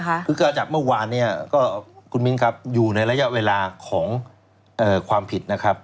เพิ่งออกมาจับเมื่อวานก็คุณมิ้นครับอยู่ในระยะเวลาของความผิดนะครับ